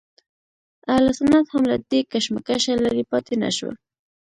اهل سنت هم له دې کشمکشه لرې پاتې نه شول.